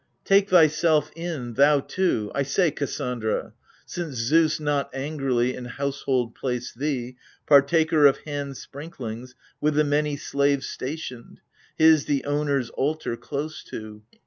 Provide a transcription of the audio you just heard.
Take thyself in, thou too — I say, Kassandra ! Since Zeus — not angrily — in household placed thee Partaker of hand sprinklings, with the many Slaves stationed, his the Owner's altar close to.